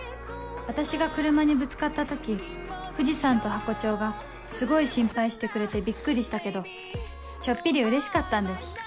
私が車にぶつかった時藤さんとハコ長がすごい心配してくれてびっくりしたけどちょっぴりうれしかったんです